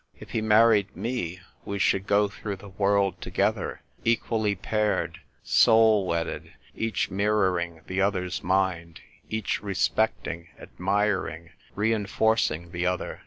If he married me, we should go through the world together, equally paired, soul wedded, each mirroring the other's mind, each respect ing, admiring, reinforcing the other.